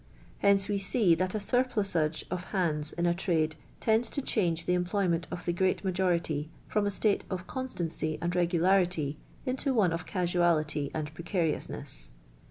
Hence we see that a surplusage of hands in a trade tends to change the employment of the great majority from a state of constancy and regularity into one of casualty and precariousness.